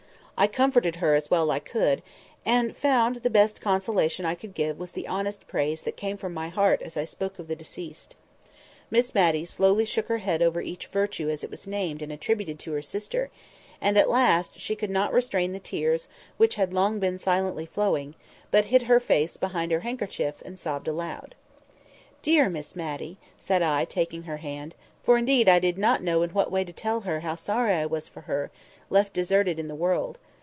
I comforted her as well as I could; and I found the best consolation I could give was the honest praise that came from my heart as I spoke of the deceased. Miss Matty slowly shook her head over each virtue as it was named and attributed to her sister; and at last she could not restrain the tears which had long been silently flowing, but hid her face behind her handkerchief and sobbed aloud. "Dear Miss Matty," said I, taking her hand—for indeed I did not know in what way to tell her how sorry I was for her, left deserted in the world.